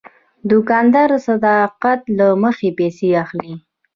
دوکاندار د صداقت له مخې پیسې اخلي.